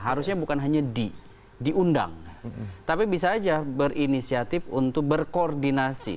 harusnya bukan hanya diundang tapi bisa saja berinisiatif untuk berkoordinasi